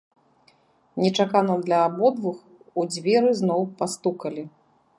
Нечакана для абодвух у дзверы зноў пастукалі.